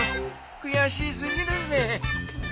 悔し過ぎるぜ。